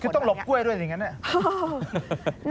คือต้องหลบกล้วยด้วยอย่างนั้นเนี่ย